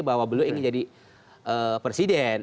bahwa beliau ingin jadi presiden